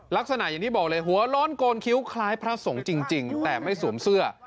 ลักษณะอย่างที่บอกเลยหัวร้อนโกนคิ้วคล้ายพระสงฆ์จริงแต่ไม่สวมเสื้อ